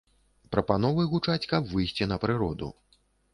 Прапановы гучаць, каб выйсці на прыроду.